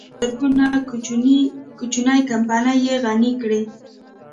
په چټکۍ سره زرګونه کوچنۍ کمپنۍ يې غني کړې.